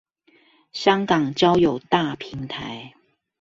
香港交友大平台